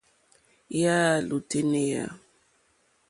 Yà á !lútánéá.